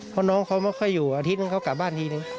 เพราะน้องเขาไม่ค่อยอยู่อาทิตย์นึงเขากลับบ้านทีนึง